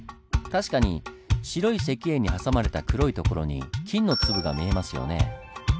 確かに白い石英に挟まれた黒い所に金の粒が見えますよね。